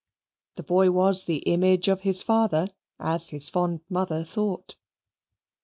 The boy was the image of his father, as his fond mother thought.